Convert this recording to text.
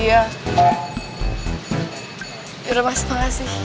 yaudah mas makasih